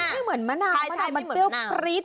ไม่เหมือนมะนาวมะนาวมันเปรี้ยวปริ๊ด